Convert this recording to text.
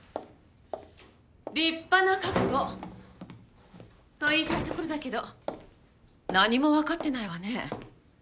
立派な覚悟。と言いたいところだけど何も分かってないわね。